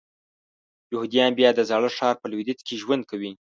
یهودیان بیا د زاړه ښار په لویدیځ کې ژوند کوي.